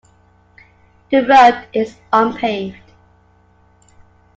The road is unpaved.